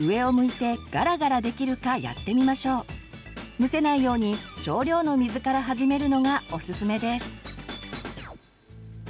むせないように少量の水から始めるのがおすすめです。